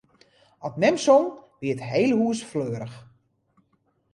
As mem song, wie it hiele hús fleurich.